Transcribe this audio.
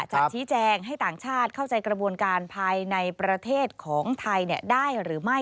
จะชี้แจงให้ต่างชาติเข้าใจกระบวนการภายในประเทศของไทยได้หรือไม่